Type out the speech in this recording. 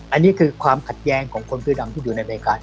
อันนี้คือความขัดแยงของคนผู้ดำที่อยู่ในอเมริกา